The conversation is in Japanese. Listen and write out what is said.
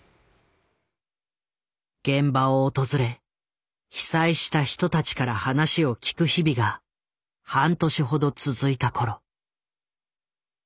現場を訪れ被災した人たちから話を聞く日々が半年ほど続いた頃。